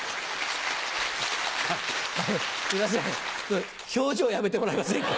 すいません表情やめてもらえませんか。